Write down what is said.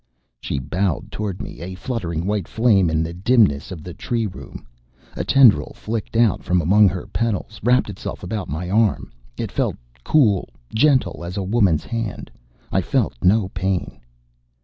She bowed toward me, a fluttering white flame in the dimness of the tree room. A tendril flicked out from among her petals, wrapped itself about my arm. It felt cool, gentle as a woman's hand. I felt no pain.